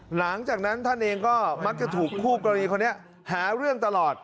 หลังจากนั้นท่านเองก็มักจะถูกคู่กรณีคนนี้หาเรื่องตลอด